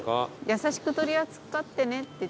優しく取り扱ってねっていってます。